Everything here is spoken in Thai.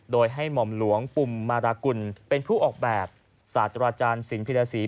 โดยให้หม่อมหลวงปุ่มมารากุลเป็นผู้ออกแบบสาธาราชาญศิลปิดาศี